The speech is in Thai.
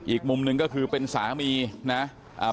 อีกมุมหนึ่งก็คือเป็นสามีนะครับ